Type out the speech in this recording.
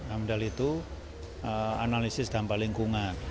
amdal itu analisis dampak lingkungan